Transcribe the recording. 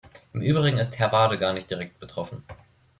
Im Übrigen ist Herr Wade gar nicht direkt betroffen.